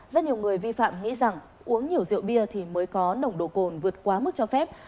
rất nhiều người vi phạm nghĩ rằng uống nhiều rượu bia thì mới có nồng độ cồn vượt quá mức cho phép